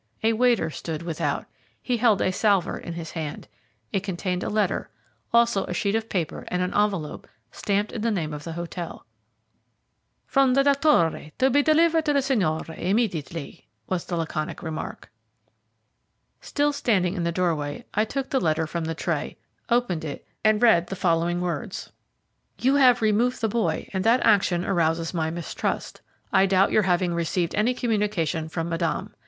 A waiter stood without. He held a salver in his hand. It contained a letter, also a sheet of paper and an envelope stamped with the name of the hotel. "From the doctor, to be delivered to the signor immediately," was the laconic remark. Still standing in the doorway, I took the letter from the tray, opened it, and read the following words: "You have removed the boy and that action arouses my mistrust. I doubt your having received any Communication from Madame.